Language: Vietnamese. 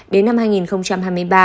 đến năm hai nghìn hai mươi ba